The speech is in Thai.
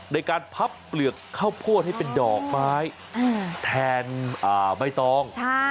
ในการพับเปลือกข้าวโพดให้เป็นดอกไม้แทนใบตอง